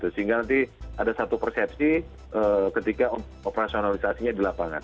sehingga nanti ada satu persepsi ketika operasionalisasinya di lapangan